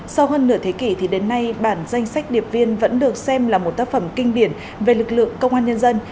sau hơn nửa thế kỷ thì đến nay bản danh sách điệp viên vẫn được xem là một tác phẩm kinh điển về lực lượng công an nhân dân